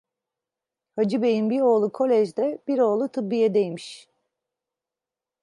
Hacı Bey'in bir oğlu kolejde, bir oğlu tıbbiyedeymiş.